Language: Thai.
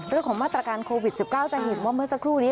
เรื่องของมาตรการโควิด๑๙จะเห็นว่าเมื่อสักครู่นี้